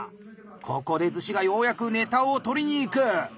ここで厨子がようやくネタを取りに行く！